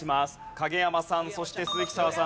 影山さんそして鈴木砂羽さん